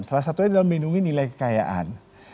salah satunya dalam menimbulkan nilai kekayaan